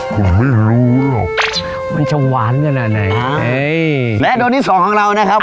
คุณไม่รู้หรอกมันจะหวานกันอ่ะน่ะเนี้ยและโดนที่สองของเรานะครับ